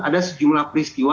ada sejumlah pristina